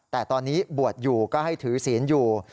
แต่ตอนนี้บวชอยู่ก็ให้ถือศีลอยู่